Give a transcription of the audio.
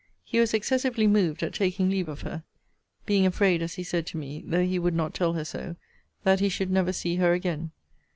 He was excessively moved at taking leave of her; being afraid, as he said to me, (though he would not tell her so,) that he should never see her again.